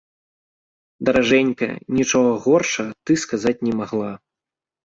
Даражэнькая, нічога горшага ты сказаць не магла.